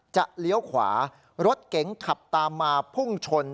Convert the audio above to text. เลี้ยวขวารถเก๋งขับตามมาพุ่งชน